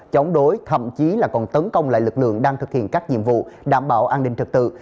chống đối thậm chí là còn tấn công lại lực lượng đang thực hiện các nhiệm vụ đảm bảo an ninh trật tự